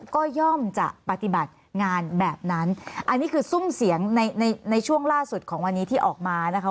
ก็ย่อมจะปฏิบัติงานแบบนั้นอันนี้คือซุ่มเสียงในในช่วงล่าสุดของวันนี้ที่ออกมานะคะ